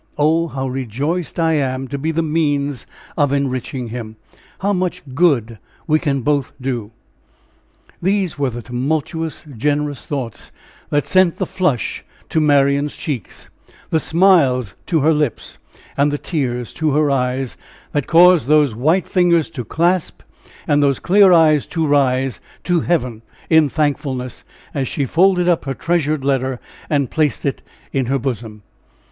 Oh, how rejoiced I am to be the means of enriching him! How much good we can both do!" These were the tumultuous, generous thoughts that sent the flush to Marian's cheeks, the smiles to her lips, and the tears to her eyes; that caused those white fingers to clasp, and those clear eyes to rise to Heaven in thankfulness, as she folded up her treasured letter and placed it in her bosom.